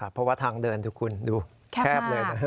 เพราะว่าทางเดินทุกคนดูแคบเลย